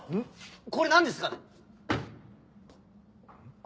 これ何ですかね？